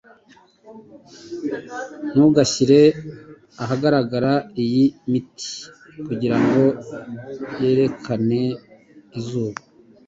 Ntugashyire ahagaragara iyi miti kugirango yerekane izuba.